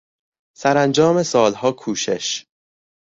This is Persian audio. سرانجام سالها کوشش